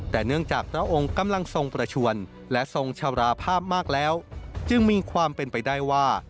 แต่เนื่องจากพระองค์กำลังทรงประชวนและทรงชราภาพมากแล้วจึงมีความเป็นไปได้ว่า